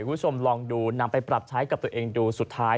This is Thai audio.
คุณผู้ชมลองดูนำไปปรับใช้กับตัวเองดูสุดท้าย